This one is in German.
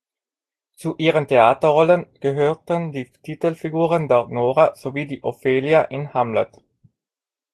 Zu ihren Theaterrollen gehörten die Titelfigur der "Nora" sowie die Ophelia in "Hamlet".